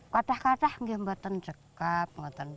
kata kata itu tidak cukup